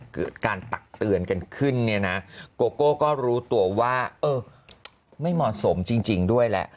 เกิดการตักเตือนกันขึ้นเนี่ยนะโกโก้ก็รู้ตัวว่าเออไม่เหมาะสมจริงด้วยแหละ